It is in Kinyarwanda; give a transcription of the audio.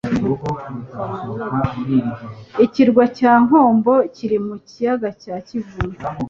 ikirwa cya Nkombo kiri mu kiyaga cya Kivu.